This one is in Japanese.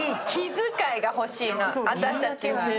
気遣いが欲しいの私たちは。